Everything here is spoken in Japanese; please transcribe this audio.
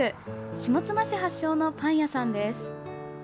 下妻市発祥のパン屋さんです。